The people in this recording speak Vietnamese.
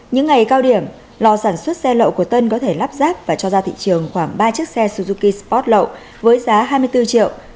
những ngày cao điểm lò sản xuất xe lậu của tân có thể lắp ráp và cho ra thị trường khoảng ba chiếc xe suzuki sport lậu với giá hai mươi bốn triệu